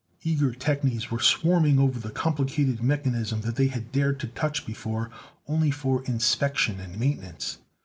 Eager technies were swarming over the complicated mechanism that they had dared to touch, before, only for inspection and maintenance.